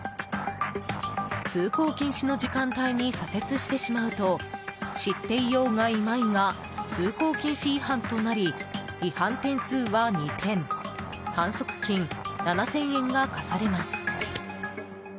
通行禁止の時間帯に左折してしまうと知っていようがいまいが通行禁止違反となり違反点数は２点反則金７０００円が科されます。